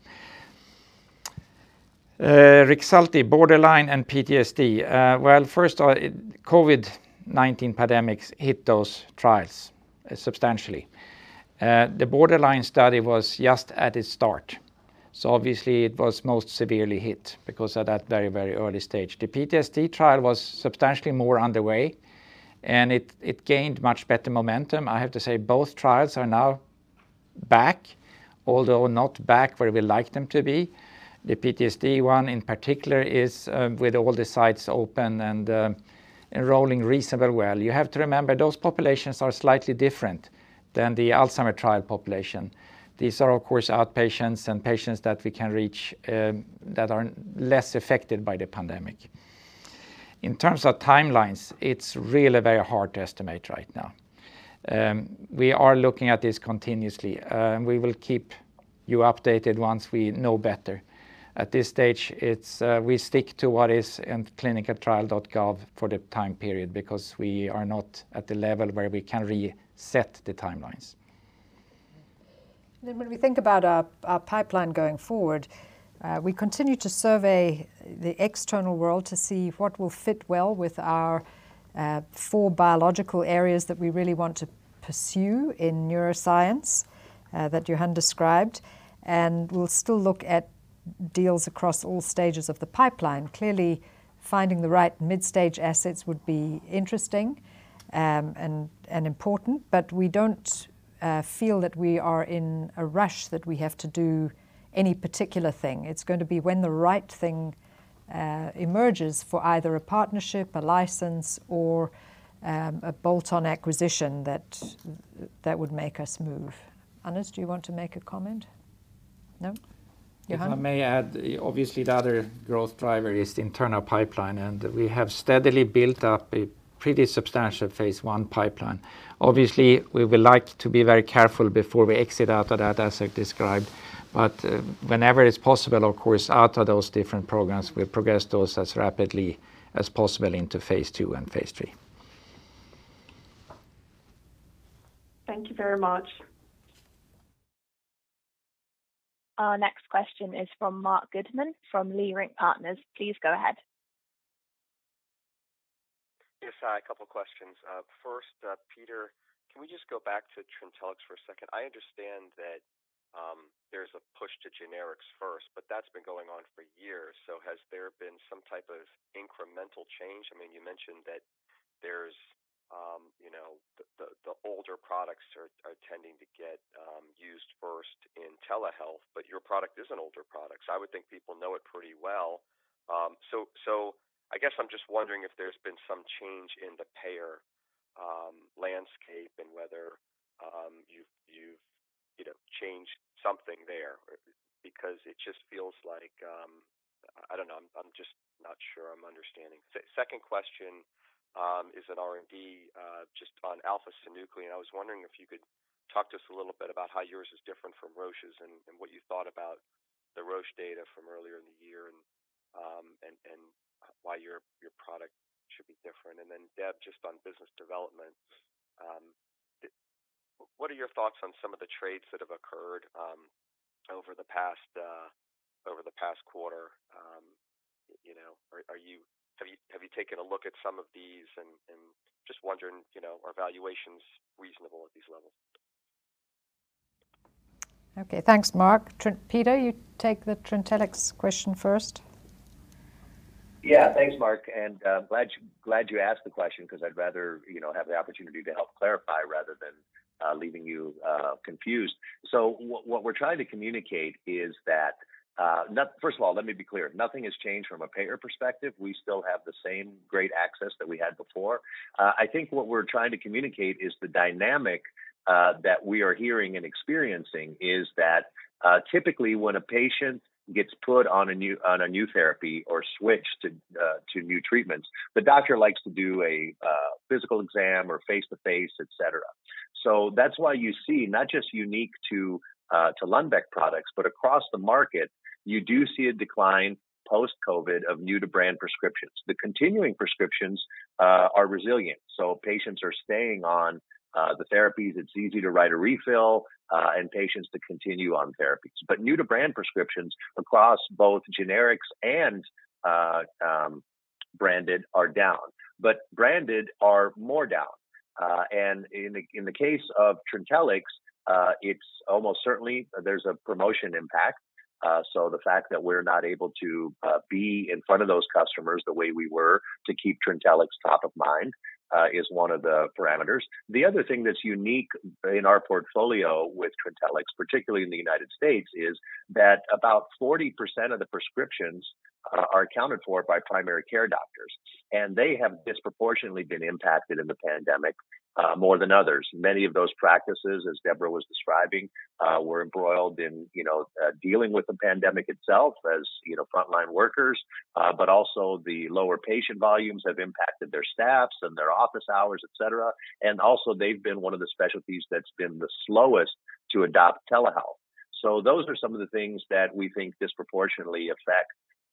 Rexulti, borderline, and PTSD. Well, first, COVID-19 pandemic hit those trials substantially. The borderline study was just at its start, obviously it was most severely hit because at that very early stage. The PTSD trial was substantially more underway, and it gained much better momentum. I have to say both trials are now back, although not back where we like them to be. The PTSD one in particular is with all the sites open and enrolling reasonably well. You have to remember, those populations are slightly different than the Alzheimer trial population. These are, of course, outpatients and patients that we can reach, that are less affected by the pandemic. In terms of timelines, it's really very hard to estimate right now. We are looking at this continuously. We will keep you updated once we know better. At this stage, it's, we stick to what is in ClinicalTrials.gov for the time period because we are not at the level where we can reset the timelines. When we think about our pipeline going forward, we continue to survey the external world to see what will fit well with our four biological areas that we really want to pursue in neuroscience that Johan described, and we'll still look at deals across all stages of the pipeline. Clearly, finding the right midstage assets would be interesting and important, but we don't feel that we are in a rush that we have to do any particular thing. It's going to be when the right thing emerges for either a partnership, a license, or a bolt-on acquisition that would make us move. Anders, do you want to make a comment? No? Johan? If I may add, obviously the other growth driver is the internal pipeline, and we have steadily built up a pretty substantial phase I pipeline. Obviously, we would like to be very careful before we exit out of that, as I described. Whenever it's possible, of course, out of those different programs, we progress those as rapidly as possible into phase II and phase III. Thank you very much. Our next question is from Marc Goodman from Leerink Partners. Please go ahead. Yes. Hi. A couple questions. First, Peter, can we just go back to Trintellix for a second? I understand that there's a push to generics first, but that's been going on for years. Has there been some type of incremental change? I mean, you mentioned that the older products are tending to get used first in telehealth, but your product is an older product, so I would think people know it pretty well. I guess I'm just wondering if there's been some change in the payer landscape and whether you've changed something there. Because it just feels like I don't know. I'm just not sure I'm understanding. Second question is on R&D, just on alpha-synuclein. I was wondering if you could talk to us a little bit about how yours is different from Roche's and what you thought about the Roche data from earlier in the year and why your product should be different. Then Deborah, just on business development, what are your thoughts on some of the trades that have occurred over the past over the past quarter? You know, are you Have you taken a look at some of these? Just wondering, you know, are valuations reasonable at these levels? Okay. Thanks, Marc. Peter, you take the Trintellix question first. Yeah. Thanks, Marc, and glad you asked the question because I'd rather, you know, have the opportunity to help clarify rather than leaving you confused. What we're trying to communicate is that. First of all, let me be clear. Nothing has changed from a payer perspective. We still have the same great access that we had before. I think what we're trying to communicate is the dynamic that we are hearing and experiencing, is that typically when a patient gets put on a new therapy or switched to new treatments, the doctor likes to do a physical exam or face-to-face, et cetera. That's why you see, not just unique to Lundbeck products, but across the market you do see a decline post-COVID-19 of new-to-brand prescriptions. The continuing prescriptions are resilient, so patients are staying on the therapies. It's easy to write a refill and patients to continue on therapies. New-to-brand prescriptions across both generics and branded are down. Branded are more down. In the case of Trintellix, it's almost certainly there's a promotion impact. The fact that we're not able to be in front of those customers the way we were to keep Trintellix top of mind is one of the parameters. The other thing that's unique in our portfolio with Trintellix, particularly in the U.S., is that about 40% of the prescriptions are accounted for by primary care doctors, and they have disproportionately been impacted in the pandemic more than others. Many of those practices, as Deborah was describing, were embroiled in, you know, dealing with the pandemic itself as, you know, frontline workers. Also the lower patient volumes have impacted their staffs and their office hours, et cetera. Also they've been one of the specialties that's been the slowest to adopt telehealth. Those are some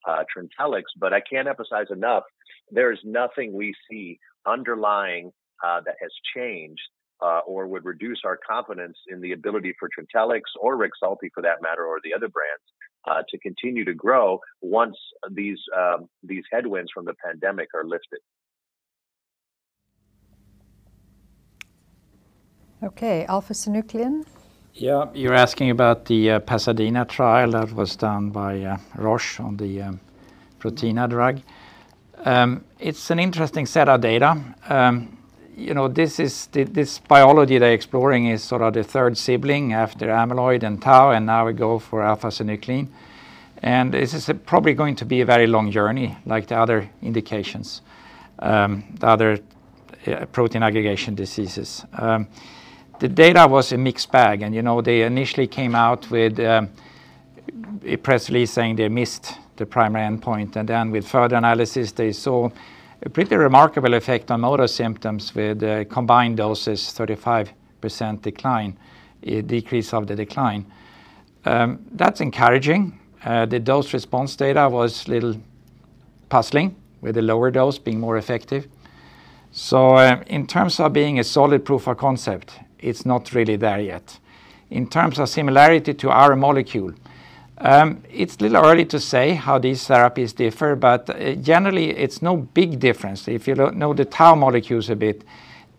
of the things that we think disproportionately affect Trintellix. I can't emphasize enough there is nothing we see underlying that has changed or would reduce our confidence in the ability for Trintellix or Rexulti for that matter, or the other brands, to continue to grow once these headwinds from the pandemic are lifted. Okay. Alpha-synuclein? Yeah. You're asking about the PASADENA trial that was done by Roche on the prasinezumab drug. It's an interesting set of data. You know, this is the, this biology they're exploring is sort of the third sibling after amyloid and tau, and now we go for alpha-synuclein. This is probably going to be a very long journey like the other indications, the other protein aggregation diseases. The data was a mixed bag and, you know, they initially came out with a press release saying they missed the primary endpoint. With further analysis, they saw a pretty remarkable effect on motor symptoms with combined doses 35% decline, decrease of the decline. That's encouraging. The dose response data was a little puzzling with the lower dose being more effective. In terms of being a solid proof of concept, it's not really there yet. In terms of similarity to our molecule, it's a little early to say how these therapies differ, but generally it's no big difference. If you know the tau molecules a bit,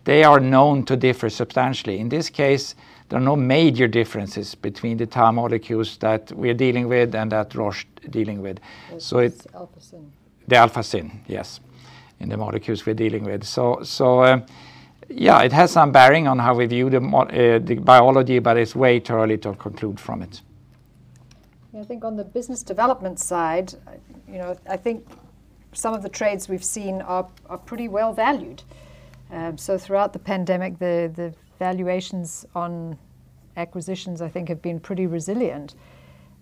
they are known to differ substantially. In this case, there are no major differences between the tau molecules that we're dealing with and that Roche dealing with. That's alpha-syn. The alpha-syn, yes, in the molecules we're dealing with. Yeah, it has some bearing on how we view the biology, but it's way too early to conclude from it. Yeah, I think on the business development side, you know, I think some of the trades we've seen are pretty well valued. Throughout the pandemic, the valuations on acquisitions I think have been pretty resilient,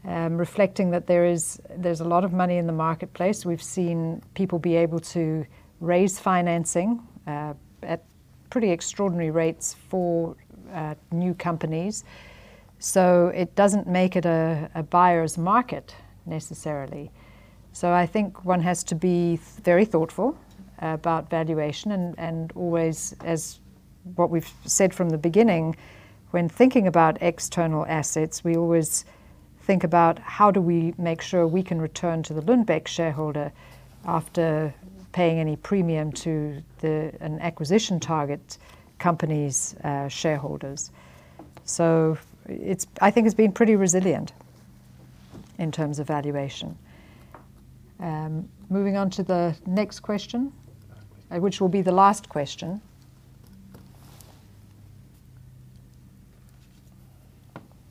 reflecting that there's a lot of money in the marketplace. We've seen people be able to raise financing at pretty extraordinary rates for new companies. It doesn't make it a buyer's market necessarily. I think one has to be very thoughtful about valuation and always, as what we've said from the beginning, when thinking about external assets, we always think about how do we make sure we can return to the Lundbeck shareholder after paying any premium to an acquisition target company's shareholders. I think it's been pretty resilient in terms of valuation. Moving on to the next question, which will be the last question.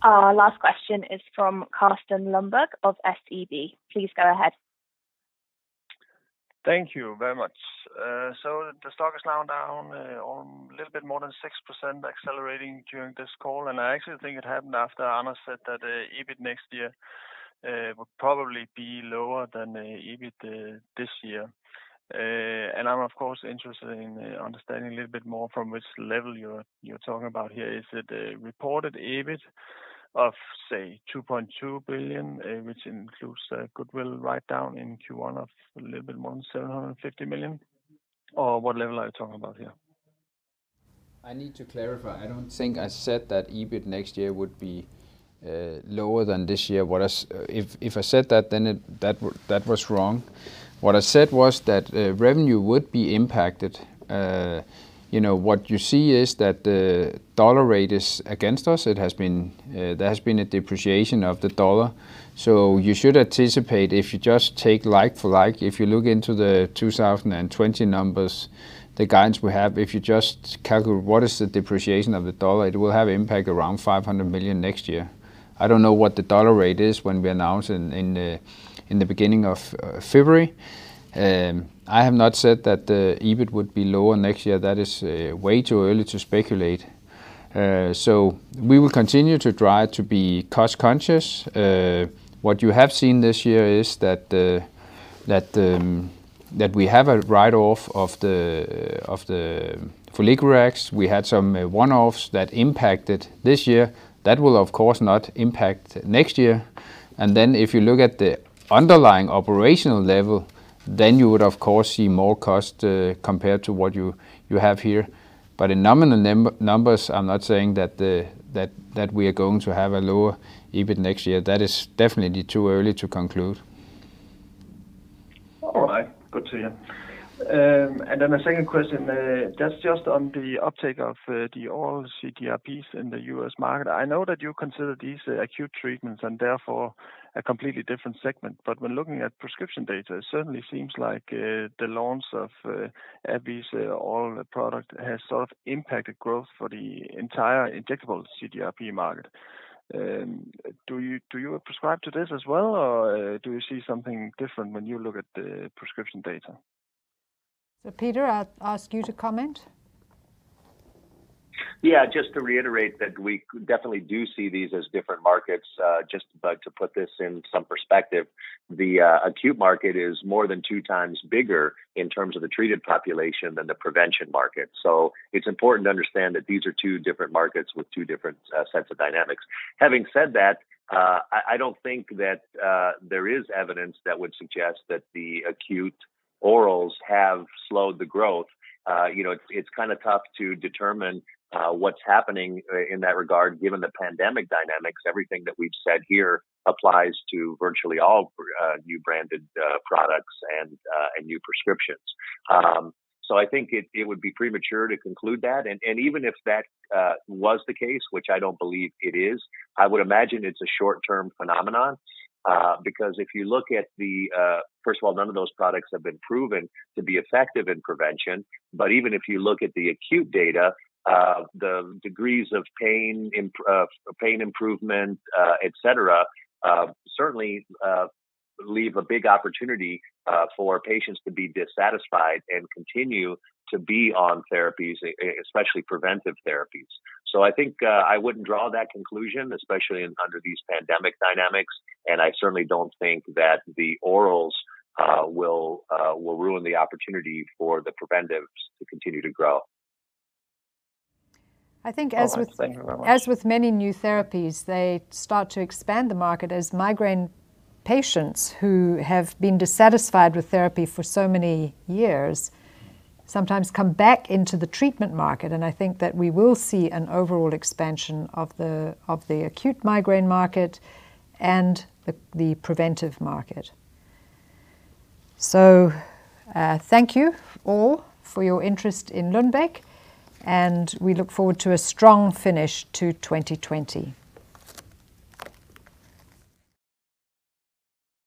Our last question is from Carsten Lønborg of SEB. Please go ahead. Thank you very much. The stock is now down on a little bit more than 6%, accelerating during this call. I actually think it happened after Anders said that EBIT next year will probably be lower than the EBIT this year. I'm of course interested in understanding a little bit more from which level you're talking about here. Is it reported EBIT of, say, 2.2 billion, which includes goodwill write-down in Q1 of a little bit more than 750 million? Or what level are you talking about here? I need to clarify. I don't think I said that EBIT next year would be lower than this year. If I said that, then that was wrong. What I said was that revenue would be impacted. You know, what you see is that the dollar rate is against us. It has been there has been a depreciation of the dollar. You should anticipate, if you just take like for like, if you look into the 2020 numbers, the guidance we have, if you just calculate what is the depreciation of the dollar, it will have impact around $500 million next year. I don't know what the dollar rate is when we announce in the beginning of February. I have not said that the EBIT would be lower next year. That is way too early to speculate. We will continue to try to be cost conscious. What you have seen this year is that we have a write-off of the foliglurax. We had some one-offs that impacted this year. That will, of course, not impact next year. If you look at the underlying operational level, then you would, of course, see more cost compared to what you have here. In nominal numbers, I'm not saying that the, that we are going to have a lower EBIT next year. That is definitely too early to conclude. All right. Good to hear. Then a second question, that's just on the uptake of the oral CGRPs in the U.S. market. I know that you consider these acute treatments, and therefore a completely different segment. When looking at prescription data, it certainly seems like the launch of AbbVie's oral product has sort of impacted growth for the entire injectable CGRP market. Do you prescribe to this as well? Do you see something different when you look at the prescription data? Peter, I'll ask you to comment. Just to reiterate that we definitely do see these as different markets. Just to put this in some perspective, the acute market is more than two times bigger in terms of the treated population than the prevention market. It's important to understand that these are two different markets with two different sets of dynamics. Having said that, I don't think that there is evidence that would suggest that the acute orals have slowed the growth. You know, it's kind of tough to determine what's happening in that regard given the pandemic dynamics. Everything that we've said here applies to virtually all new branded products and new prescriptions. I think it would be premature to conclude that. Even if that was the case, which I don't believe it is, I would imagine it's a short-term phenomenon. Because if you look at the First of all, none of those products have been proven to be effective in prevention. Even if you look at the acute data, the degrees of pain improvement, et cetera, certainly leave a big opportunity for patients to be dissatisfied and continue to be on therapies, especially preventive therapies. I think I wouldn't draw that conclusion, especially in, under these pandemic dynamics, and I certainly don't think that the orals will ruin the opportunity for the preventives to continue to grow. All right. Thank you very much. I think as with many new therapies, they start to expand the market as migraine patients who have been dissatisfied with therapy for so many years sometimes come back into the treatment market. I think that we will see an overall expansion of the acute migraine market and the preventive market. Thank you all for your interest in Lundbeck, and we look forward to a strong finish to 2020.